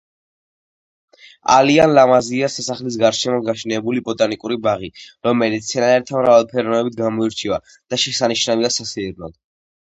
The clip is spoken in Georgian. ალიან ლამაზია სასახლის გარშემო გაშენებული ბოტანიკური ბაღი, რომელიც მცენარეთა მრავალფეროვნებით გამოირჩევა და შესანიშნავია სასეირნოდ